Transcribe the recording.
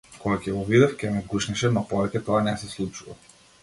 Кога ќе го видев ќе ме гушнеше но повеќе тоа не се случува.